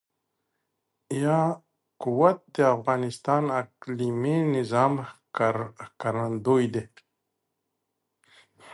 یاقوت د افغانستان د اقلیمي نظام ښکارندوی ده.